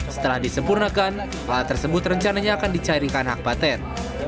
setelah disempurnakan alat tersebut rencananya akan dicairkan hak patent